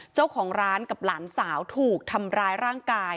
เจ้าของร้านกับหลานสาวถูกทำร้ายร่างกาย